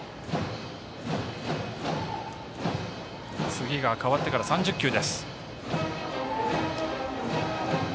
次が代わってから３０球です。